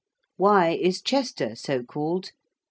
Why is Chester so called?